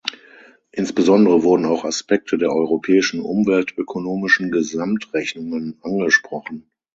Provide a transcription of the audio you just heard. Insbesondere wurden auch Aspekte der Europäischen Umweltökonomischen Gesamtrechnungen angesprochen.